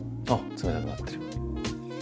冷たくなってる。